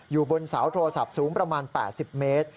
อยู่บนเสาโทรศัพท์สูงประมาณ๘๐เมตร